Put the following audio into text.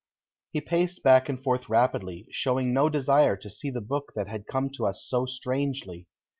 He paced back and forth rapidly, showing no desire to see the book that had come to us so strangely.